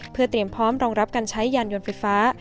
เพื่อเตรียมพร้อมรองรับการใช้ยานยนต์ไฟฟ้า